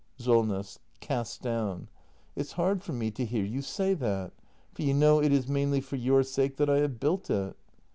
Solness. [Cast down.] It's hard for me to hear you say that; for you know it is mainly for your sake that I have built it.